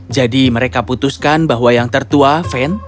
jadi mereka putuskan bahwa yang tertua fen